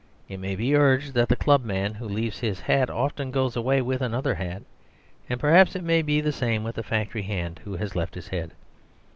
It may be urged that the club man who leaves his hat often goes away with another hat; and perhaps it may be the same with the factory hand who has left his head.